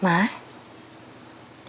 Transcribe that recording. ada apa sih